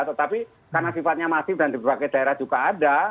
tetapi karena sifatnya masif dan di berbagai daerah juga ada